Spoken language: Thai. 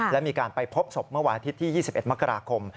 และมีการไปพบศพเมื่อวานอาทิตย์ที่๒๑มกราคม